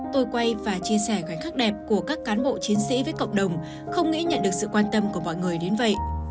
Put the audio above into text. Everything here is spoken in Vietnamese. tôi quay và chia sẻ khoảnh khắc đẹp của các cán bộ chiến sĩ với cộng đồng không nghĩ nhận được sự quan tâm của mọi người đến vậy